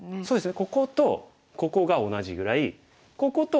こことここが同じぐらい。